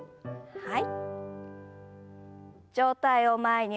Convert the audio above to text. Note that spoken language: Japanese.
はい。